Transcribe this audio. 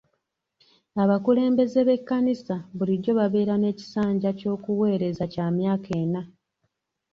Abakulembeze b'ekkanisa bulijjo babeera n'ekisanja ky'okuweereza kya myaka ena.